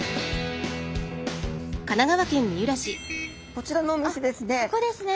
こちらのお店ですね。